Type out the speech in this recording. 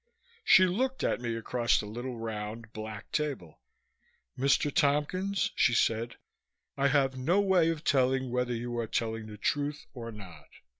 She looked at me across the little round, black table. "Mr. Tompkins," she said, "I have no way of telling whether you are telling the truth or not.